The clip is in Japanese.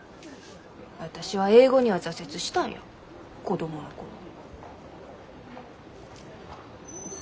私は英語には挫折したんや子供の頃。